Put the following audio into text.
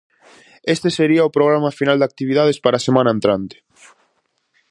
Este sería o programa final de actividades para a semana entrante: